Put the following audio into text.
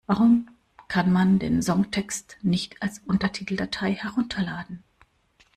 Warum kann man den Songtext nicht als Untertiteldatei herunterladen?